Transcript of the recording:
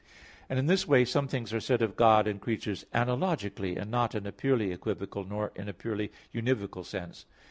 And in this way some things are said of God and creatures analogically, and not in a purely equivocal nor in a purely univocal sense.